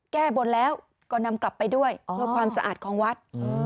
แก้บนแล้วก็นำกลับไปด้วยเพื่อความสะอาดของวัด